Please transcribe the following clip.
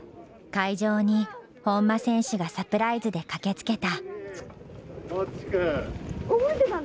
会場に本間選手がサプライズで駆けつけた。